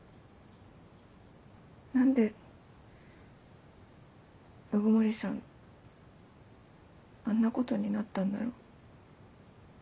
何で鵜久森さんあんなことになったんだろう。